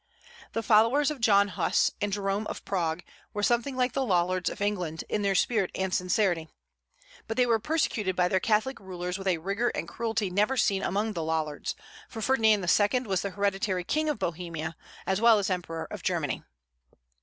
The followers of John Huss and Jerome of Prague were something like the Lollards of England, in their spirit and sincerity. But they were persecuted by their Catholic rulers with a rigor and cruelty never seen among the Lollards; for Ferdinand II. was the hereditary king of Bohemia as well as emperor of Germany.